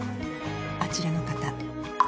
あちらの方。